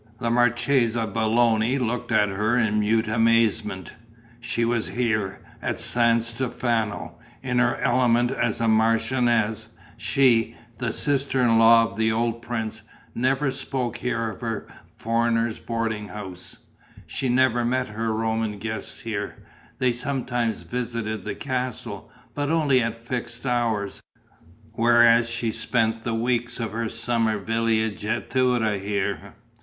The Marchesa Belloni looked at her in mute amazement. She was here, at San Stefano, in her element as a marchioness; she, the sister in law of the old prince, never spoke here of her foreigners' boarding house; she never met her Roman guests here: they sometimes visited the castle, but only at fixed hours, whereas she spent the weeks of her summer villeggiatura here.